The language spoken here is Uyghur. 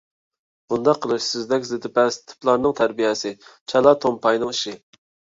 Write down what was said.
بۇنداق قىلىش سىزدەك زىدىپەس تىپلارنىڭ، تەربىيەسى چالا تومپاينىڭ ئىشى.